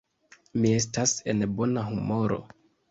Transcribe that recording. Mi estas en bona humoro.